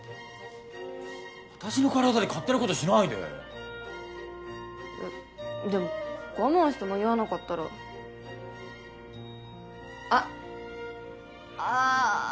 私の体で勝手なことしないでいやでも我慢して間に合わなかったらあっああ